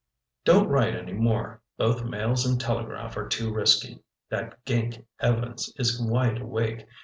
"Don't write any more. Both mails and telegraph are too risky. That gink Evans is wide awake.